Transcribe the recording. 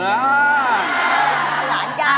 ล้านหญ้าล้านแย่